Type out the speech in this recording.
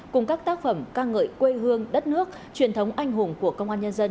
cùng các tác phẩm ca ngợi quê hương đất nước truyền thống anh hùng của công an nhân dân